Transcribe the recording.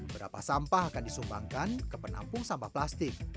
berapa sampah akan disumbangkan ke penampung sampah plastik